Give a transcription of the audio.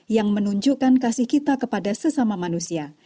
yang menunjukkan kasih kita kepada sesama manusia